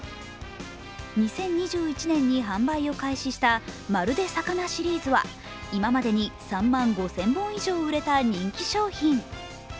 ２０２１年に販売を開始したまるで魚シリーズは今までに３万５０００本以上売れた人気商品。